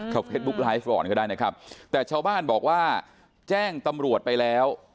เขาเฟซบุ๊กไลฟ์ก่อนก็ได้นะครับแต่ชาวบ้านบอกว่าแจ้งตำรวจไปแล้ว